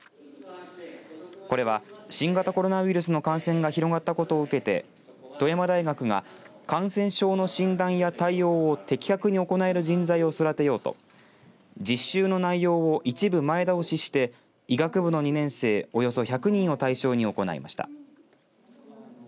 これは、新型コロナウイルスの感染が広がったことを受けて富山大学が感染症の診断や対応を的確に行える人材を育てようと実習の内容を一部前倒しして医学部の２年生およそ１００人を対象に行いました。